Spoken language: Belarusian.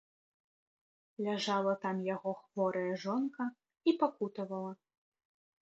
Ляжала там яго хворая жонка і пакутавала.